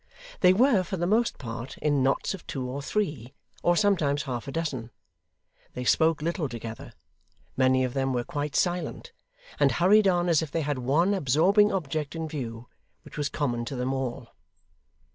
They were, for the most part, in knots of two or three, or sometimes half a dozen; they spoke little together many of them were quite silent; and hurried on as if they had one absorbing object in view, which was common to them all.